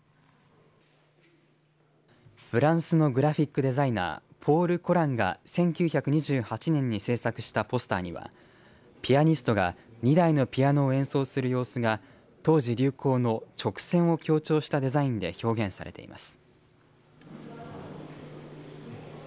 フランスのグラフィックデザイナーポール・コランが１９２８年に制作したポスターにはピアニストが２台のピアノを演奏する様子が当時、流行の直線を強調したデザインで表現されています。